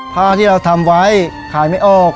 พระอาทิตย์ที่เราทำไว้ขายไม่ออก